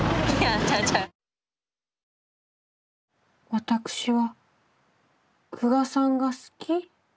私は久我さんが好き。